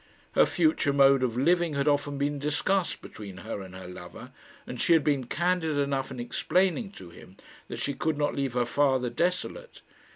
Her future mode of living had often been discussed between her and her lover, and she had been candid enough in explaining to him that she could not leave her father desolate.